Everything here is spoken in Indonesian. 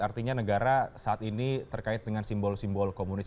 artinya negara saat ini terkait dengan simbol simbol komunis